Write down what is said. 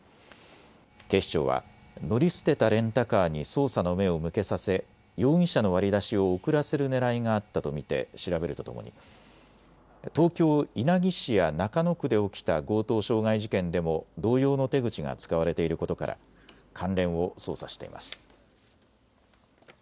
警視庁は乗り捨てたレンタカーに捜査の目を向けさせ、容疑者の割り出しを遅らせるねらいがあったと見て調べるとともに東京稲城市や中野区で起きた強盗傷害事件でも同様の手口が使われていることから関連を捜査しています。